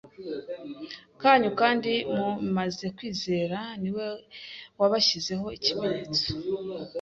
kanyu: kandi mumaze kwizera, ni we wabashyizeho ikimenyetso